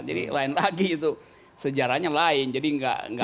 jadi lain lagi itu sejarahnya lain jadi nggak pas